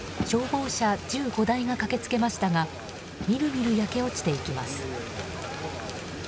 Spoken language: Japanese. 消防車１５台が駆けつけましたがみるみる焼け落ちていきます。